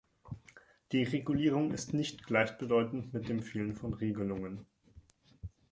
Deregulierung ist nicht gleichbedeutend mit dem Fehlen von Regelungen.